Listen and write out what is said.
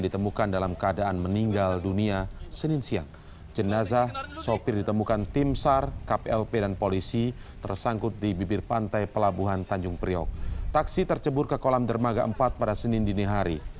taksi tercebur ke kolam dermaga empat pada senin dinihari